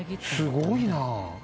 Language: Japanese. すごいな。